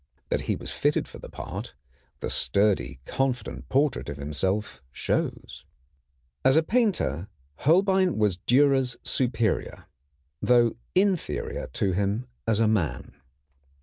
That he was fitted for the part, the sturdy, confident portrait of himself shows. As a painter Holbein was Dürer's superior, though inferior to him as a man.